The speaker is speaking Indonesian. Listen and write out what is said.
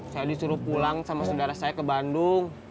saya disuruh pulang sama saudara saya ke bandung